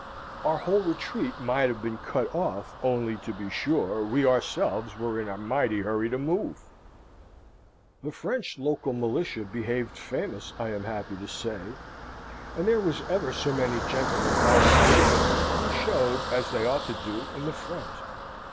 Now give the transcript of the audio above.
Our whole retreat might have been cut off, only, to be sure, we ourselves were in a mighty hurry to move. The French local militia behaved famous, I am happy to say; and there was ever so many gentlemen volunteers with 'em, who showed, as they ought to do, in the front.